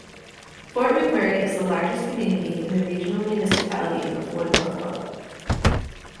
Fort McMurray is the largest community in the Regional Municipality of Wood Buffalo.